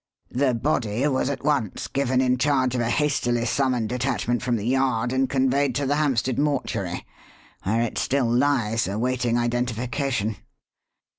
The body was at once given in charge of a hastily summoned detachment from the Yard and conveyed to the Hampstead mortuary, where it still lies awaiting identification."